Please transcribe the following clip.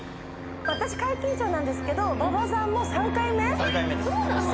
私皆勤賞なんですけれども、馬場さんも３回目？